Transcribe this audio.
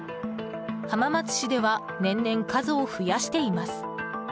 浜松市では年々、数を増やしています。